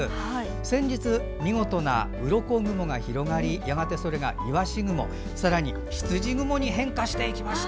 先日、見事なうろこ雲が広がりやがて、いわし雲さらに、ひつじ雲に変化していきました。